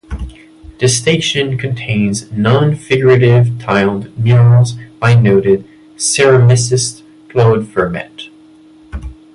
The station contains non-figurative tiled murals by noted ceramicist Claude Vermette.